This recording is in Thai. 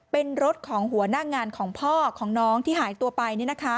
เป็นรถของหัวหน้างานของพ่อของน้องที่หายตัวไป